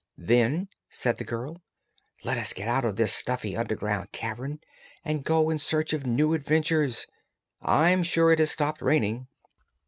"Then," said the girl, "let us get out of this stuffy, underground cavern and go in search of new adventures. I'm sure it has stopped raining."